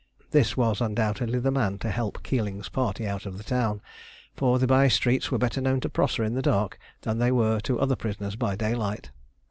This was undoubtedly the man to help Keeling's party out of the town, for the by streets were better known to Prosser in the dark than they were to other prisoners by daylight.